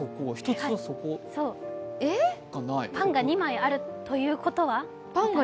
パンが２枚あるということは？